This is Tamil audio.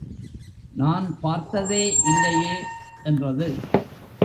நான் பார்த்ததே இல்லையே! என்றது.